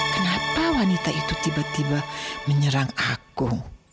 kenapa wanita itu tiba tiba menyerang aku